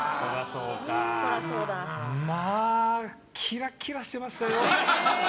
まあキラキラしてましたよ！